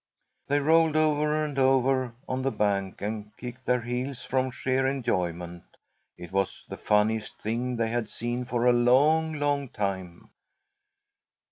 They rolled over and over on the bank and kicked their heels from sheer enjoyment. It was the funniest thing they had seen for a long, long time.